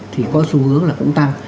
thì có xu hướng là cũng tăng